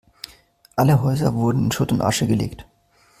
Alle Häuser wurden in Schutt und Asche gelegt.